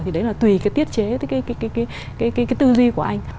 thì đấy là tùy cái tiết chế cái tư duy của anh